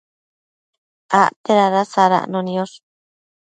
acte dada sadacno niosh